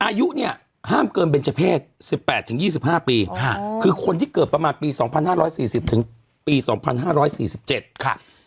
อายุเนี่ยห้ามเกินเบนเจอร์เพศ๑๘๒๕ปีคือคนที่เกิดประมาณปี๒๕๔๐ถึงปี๒๕๔๗ค่ะ